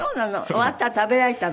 終わったら食べられたの？